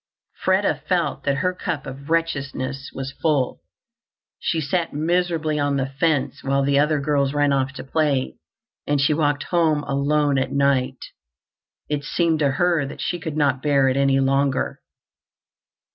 Freda felt that her cup of wretchedness was full. She sat miserably on the fence while the other girls ran off to play, and she walked home alone at night. It seemed to her that she could not bear it any longer.